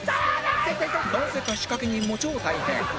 なぜか仕掛け人も超大変